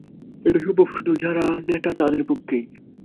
এটা সম্ভব শুধু যারা ন্যাটা তাদের পক্ষেই।